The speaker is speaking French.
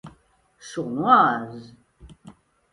Sournoise!